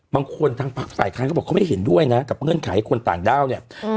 บางคนทั้งภาพหลายครั้งเขาบอกเขาไม่เห็นด้วยนะแต่เงื่อนไขคนต่างด้าวเนี้ยอืม